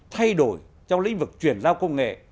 thay đổi trong lĩnh vực chuyển giao công nghệ